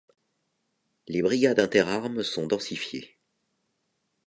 Les brigades interarmes sont densifiées.